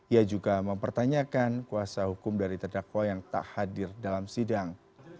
ia juga mempertanyakan kuasa hukum dari terdakwa yang tak hadir dalam sidang